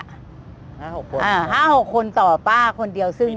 ห้าหกคนอ่าห้าหกคนต่อป้าคนเดียวซึ่ง